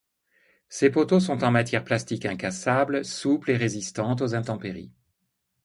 Ces poteaux sont en matière plastique incassable, souple et résistante aux intempéries.